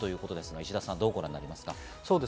石田さん、どうご覧になりますか？